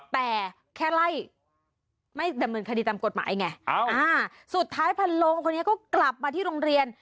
แต่แค่ไล่ไม่ดำเนินคดีตามกฎหมายไงสุดท้ายพันโลงคนนี้ก็กลับมาที่โรงเรียน